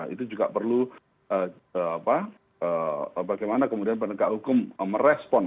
itu juga perlu bagaimana kemudian penegak hukum merespon